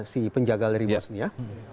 si penjaga dari bosnia